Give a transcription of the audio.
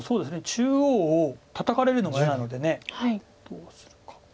中央をタタかれるのが嫌なのでどうするか。